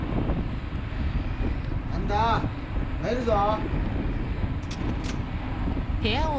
半田入るぞ。